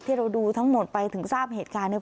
ที่เราดูทั้งหมดไปถึงทราบเหตุการณ์